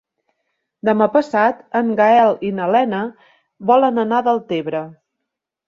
Demà passat en Gaël i na Lena volen anar a Deltebre.